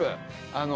あの。